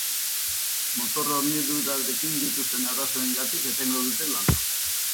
Motor hornidurarekin dituzten arazoengatik etengo dute lana.